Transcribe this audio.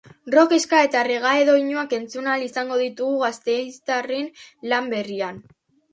Rock, ska eta reggae doinuak entzun ahal izango ditugu gasteiztarren lan berrian.